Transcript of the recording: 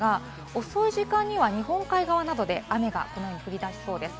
遅い時間には日本海側などで雨がどうも降り出しそうです。